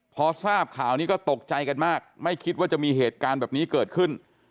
พอทราบข่าวนี้ก็ตกใจกันมากไม่คิดว่าจะมีเหตุการณ์แบบนี้เกิดขึ้น